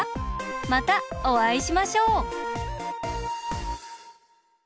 またおあいしましょう！